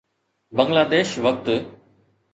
بنگلاديش وقت